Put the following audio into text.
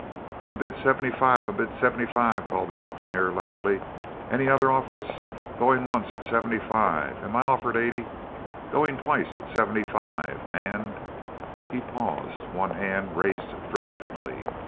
"I'm bid seventy five! I'm bid seventy five!" called the auctioneer, loudly. "Any other offers? Going once at seventy five; am I offered eighty? Going twice at seventy five, and"—he paused, one hand raised dramatically.